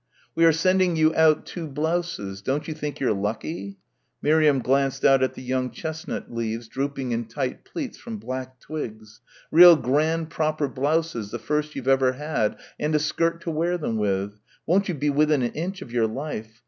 "We are sending you out two blouses. Don't you think you're lucky?" Miriam glanced out at the young chestnut leaves drooping in tight pleats from black twigs ... "real grand proper blouses the first you've ever had, and a skirt to wear them with ... won't you be within an inch of your life!